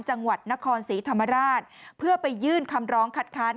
จังหวัดนครศรีธรรมราชเพื่อไปยื่นคำร้องคัดค้าน